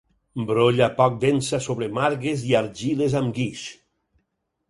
Brolla poc densa sobre margues i argiles amb guix.